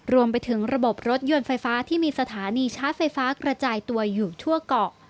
รวมไปถึงระบบรถยนต์ไฟฟ้าที่มีสถานีชาร์จไฟฟ้ากระจายตัวอยู่ทั่วเกาะ